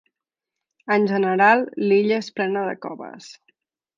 En general l'illa és plena de coves.